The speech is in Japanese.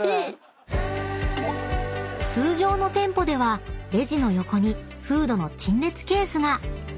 ［通常の店舗ではレジの横にフードの陳列ケースが］